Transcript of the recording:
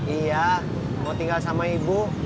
iya mau tinggal sama ibu